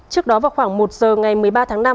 trước đó vào khoảng một giờ ngày một mươi ba tháng năm